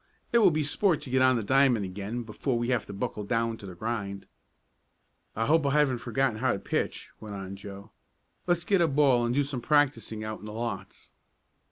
It will be sport to get on the diamond again before we have to buckle down to the grind." "I hope I haven't forgotten how to pitch," went on Joe. "Let's get a ball and do a little practising out in the lots."